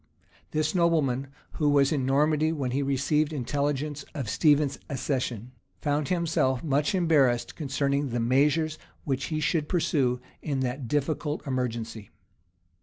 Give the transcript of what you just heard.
This nobleman, who was in Normandy when he received intelligence of Stephen's accession, found himself much embarrassed concerning the measures which he should pursue in that difficult emergency.